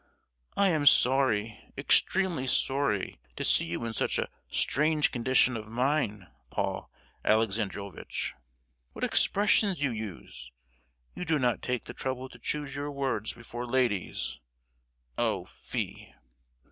"I am sorry, extremely sorry, to see you in such a strange condition of mind, Paul Alexandrovitch! What expressions you use! You do not take the trouble to choose your words before ladies—oh, fie!"